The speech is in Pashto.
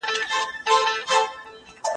زه د یوې بلې خبرې په تمه یم.